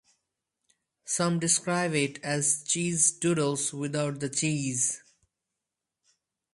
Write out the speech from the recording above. Some describe it as Cheez Doodles without the cheese.